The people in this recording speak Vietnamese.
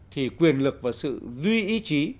thì quyền lực và sự duy ý chí